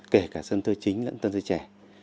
vì cả sân thơ chính lẫn sân thơ trẻ